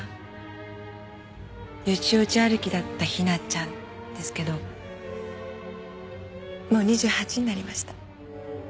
よちよち歩きだった雛ちゃんですけどもう２８になりました。